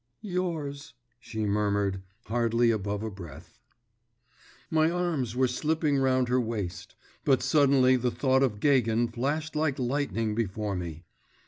… 'Yours …' she murmured, hardly above a breath. My arms were slipping round her waist.… But suddenly the thought of Gagin flashed like lightning before me.